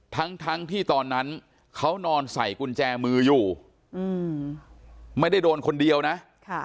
ทั้งทั้งที่ตอนนั้นเขานอนใส่กุญแจมืออยู่อืมไม่ได้โดนคนเดียวนะค่ะ